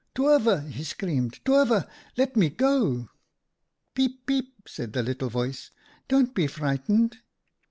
M ' Toever !' he screamed, ' toever ! Let me go !' "'Peep! peep!' said a little voice, 'don't be frightened.'